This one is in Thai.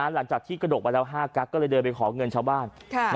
หลังจากที่กระดกไปแล้ว๕กั๊กก็เลยเดินไปขอเงินชาวบ้าน